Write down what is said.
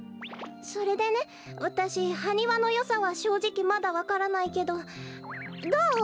それでねわたしハニワのよさはしょうじきまだわからないけどどう？